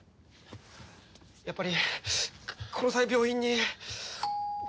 やっぱりこの際病院に。